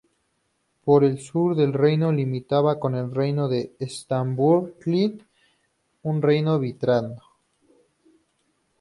Por el sur su reino limitaba con el Reino de Strathclyde, un reino britano.